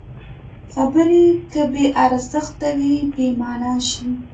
خبرې که بې ارزښته وي، بېمانا شي.